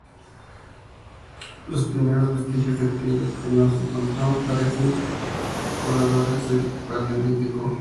Los primeros vestigios de actividad que nos encontramos pertenecen a los pobladores del Paleolítico.